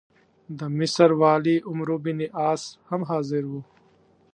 د مصر والي عمروبن عاص هم حاضر وو.